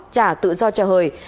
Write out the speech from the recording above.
trả tự do cho hời